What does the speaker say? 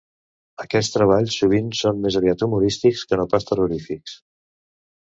Aquests treballs sovint són més aviat humorístics que no pas terrorífics.